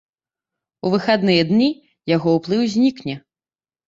У выхадныя дні яго ўплыў знікне.